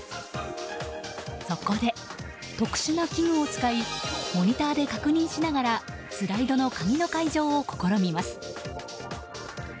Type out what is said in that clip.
そこで特殊な器具を使いモニターで確認しながらスライドの鍵の開錠を試みます。